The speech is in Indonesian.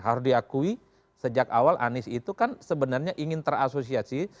harus diakui sejak awal anies itu kan sebenarnya ingin terasosiasi